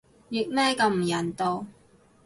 譯咩咁唔人道